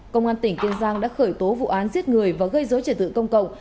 công an tỉnh kiên giang đã khởi tố vụ án giết người và gây dối trật tự công cộng